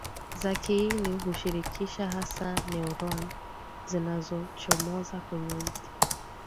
za kiini hushirikisha hasa neuroni zinazochomozakwenye uti